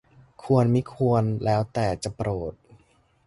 ควรมิควรแล้วแต่จะโปรด